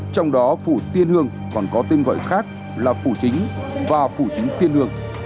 trong đó phủ tiên hương còn có tên gọi khác là phủ chính và phủ chính tiên hương